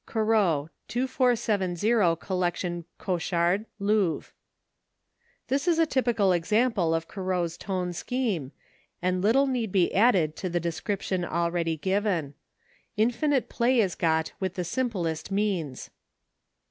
Corot: 2470 Collection Chauchard, Louvre. This is a typical example of Corot's tone scheme, and little need be added to the description already given. Infinite play is got with the simplest means.